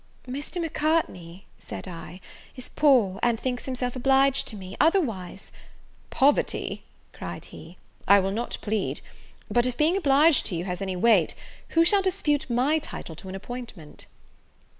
"Mr. Mccartney," said I, "is poor, and thinks himself obliged to me; otherwise " "Poverty," cried he, "I will not plead; but, if being obliged to you has any weight, who shall dispute my title to an appointment?"